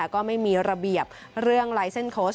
ก็ไม่มีระเบียบเรื่องลายเส้นโค้ช